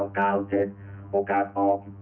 โอกาสออก๒๓๒ปี